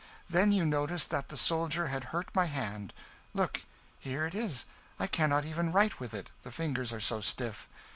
Then you noticed that the soldier had hurt my hand look! here it is, I cannot yet even write with it, the fingers are so stiff.